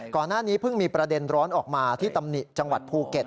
ก่อนหน้านี้เพิ่งมีประเด็นร้อนออกมาที่ตำหนิจังหวัดภูเก็ต